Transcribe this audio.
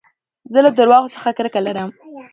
زه له درواغو څخه کرکه لرم.